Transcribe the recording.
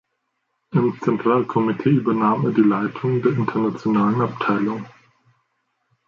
Im Zentralkomitee übernahm er die Leitung der internationalen Abteilung.